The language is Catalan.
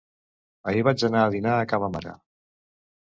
Ahir vaig anar a dinar a ca ma mare.